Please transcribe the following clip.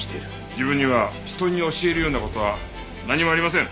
自分には人に教えるような事は何もありません。